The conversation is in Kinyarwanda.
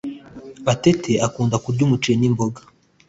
Atete akunda kurya umuceri nimboga